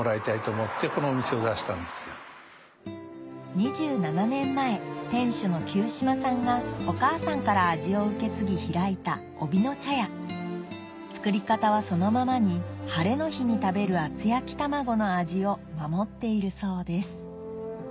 ２７年前店主の久島さんがお母さんから味を受け継ぎ開いたおびの茶屋作り方はそのままに晴れの日に食べる厚焼き卵の味を守っているそうです